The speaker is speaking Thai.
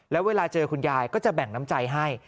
แล้วเวลาเจอคุณยายก็จะแบ่งน้ำใจให้